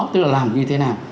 tức là làm như thế nào